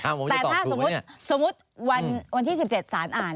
แต่ถ้าสมมุติวันที่๑๗สารอ่าน